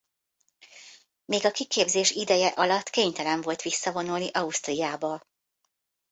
Még a kiképzés ideje alatt kénytelen volt visszavonulni Ausztriába.